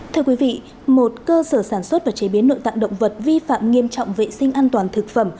thưa quý vị một cơ sở sản xuất và chế biến nội tạng động vật vi phạm nghiêm trọng vệ sinh an toàn thực phẩm